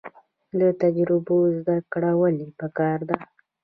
له تجربو زده کړه ولې پکار ده؟